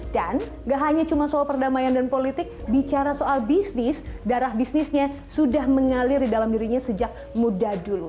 dan nggak hanya soal perdamaian dan politik bicara soal bisnis darah bisnisnya sudah mengalir di dalam dirinya sejak muda dulu